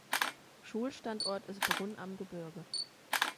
Schulstandort ist Brunn am Gebirge.